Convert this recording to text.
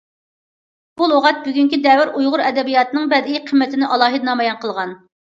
بۇ لۇغەت بۈگۈنكى دەۋر ئۇيغۇر ئەدەبىياتىنىڭ بەدىئىي قىممىتىنى ئالاھىدە نامايان قىلغان.